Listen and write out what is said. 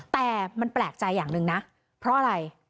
แต่มันแปลกใจอย่างหนึ่งนะเพราะอะไร